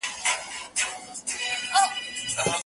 چا درته وویل چي مېنه په کیسو جوړیږي؟